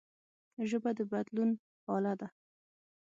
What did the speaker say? ژبه د بدلون اله ده